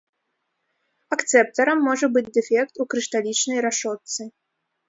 Акцэптарам можа быць дэфект у крышталічнай рашотцы.